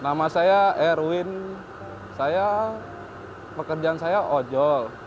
nama saya erwin pekerjaan saya ojo